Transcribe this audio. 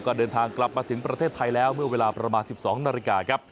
ก็เดินทางกลับมาถึงประเทศไทยแล้วเมื่อเวลาประมาณ๑๒นาฬิกาครับ